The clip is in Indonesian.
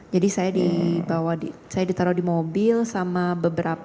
jadi saya ditaruh di mobil sama beberapa po satu